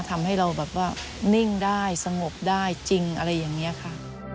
ทำให้เราแบบว่านิ่งได้สงบได้จริงอะไรอย่างนี้ค่ะ